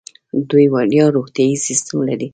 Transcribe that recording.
دوی وړیا روغتیايي سیستم لري.